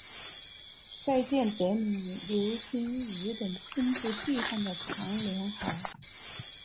该舰得名于流经日本中部地方的长良河。